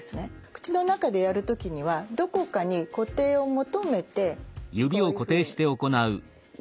口の中でやる時にはどこかに固定を求めてこういうふうに。